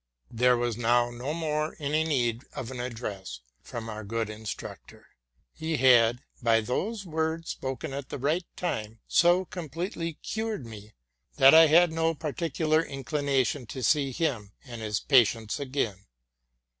There was now no more any need of an address from our good instructor. He had by those words, spoken at the right time, so completely cured me, that I had no particular inclina tion to see him and his patients again.